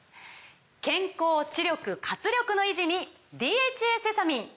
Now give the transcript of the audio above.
健康・知力・活力の維持に「ＤＨＡセサミン」！